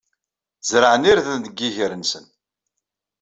Zerɛen irden deg yiger-nsen.